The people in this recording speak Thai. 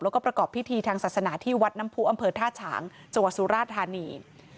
แล้วก็ประกอบพิธีทางศาสนาที่วัดน้ำผู้อำเภอท่าฉางจังหวัดสุราธานี